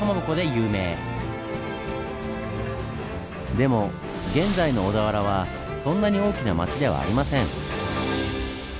でも現在の小田原はそんなに大きな町ではありません。